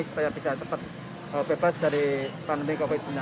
supaya bisa cepat bebas dari pandemi